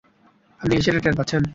আপনি কি সেটা টের পাচ্ছেন?